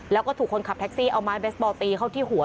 แล้วก็ถูกคนขับแท็กซี่เอาไม้เบสบอลตีเข้าที่หัว